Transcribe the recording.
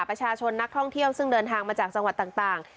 ประชาชนนักท่องเที่ยวซึ่งเดินทางมาจากจังหวัดต่าง